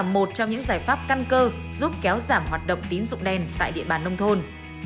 một trong những giải pháp căn cơ giúp kéo giảm hoạt động tín dụng đen tại địa bàn nông thôn